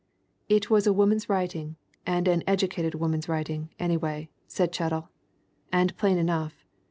"It was a woman's writing, and an educated woman's writing, anyway," said Chettle. "And plain enough.